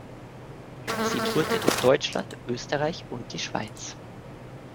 Sie tourte durch Deutschland, Österreich und die Schweiz.